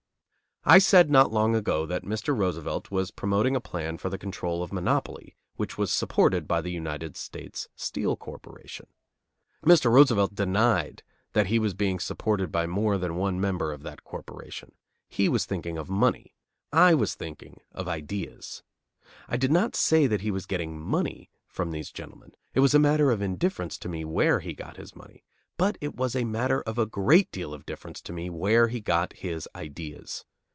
I said not long ago that Mr. Roosevelt was promoting a plan for the control of monopoly which was supported by the United States Steel Corporation. Mr. Roosevelt denied that he was being supported by more than one member of that corporation. He was thinking of money. I was thinking of ideas. I did not say that he was getting money from these gentlemen; it was a matter of indifference to me where he got his money; but it was a matter of a great deal of difference to me where he got his ideas.